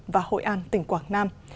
và hội an tỉnh quảng nam